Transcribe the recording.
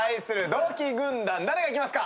同期軍団誰がいきますか？